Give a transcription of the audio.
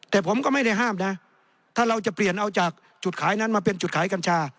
แต่ผมก็ไม่ได้ห้ามนะถ้าเราจะเปลี่ยนเอาจากจุดขายนั้นมาเป็นจุดขายกัญชา